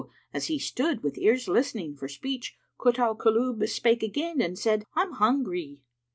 as he stood, with ears listening for speech, Kut al Kulub spake again and said, "I'm hungry."